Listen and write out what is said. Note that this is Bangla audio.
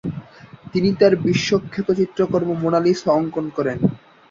তিনি তার বিশ্বখ্যাত চিত্রকর্ম মোনালিসা অঙ্কন করেন।